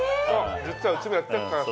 実はうちもやってるからさ。